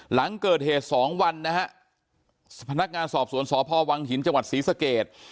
หลังเกิดเหตุ๒วันนะครับพนักงานสอบสวนสพวังหินจศรีสเกต